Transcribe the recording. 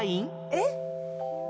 えっ？